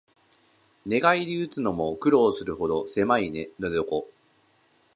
寝返りうつのも苦労するほどせまい寝床